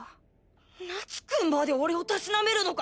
夏くんまで俺をたしなめるのか！？